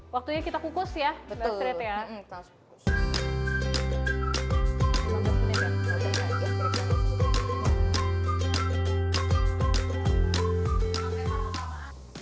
waktunya kita kukus ya betul betul ya